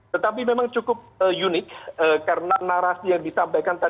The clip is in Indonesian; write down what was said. tetapi memang cukup unik karena narasi yang disampaikan